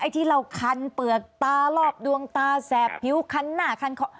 ที่เราคันเปลือกตารอบดวงตาแสบผิวคันหน้าคันคอ